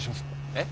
えっ？